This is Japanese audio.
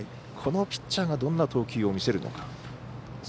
このピッチャーがどんな投球を見せるのか。